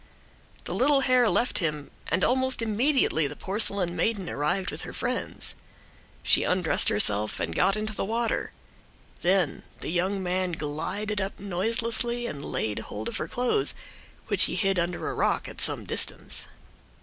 The little hare left him, and almost immediately the porcelain maiden arrived with her friends. She undressed herself and got into the water. Then the young man glided up noiselessly and laid hold of her clothes, which he hid under a rock at some distance.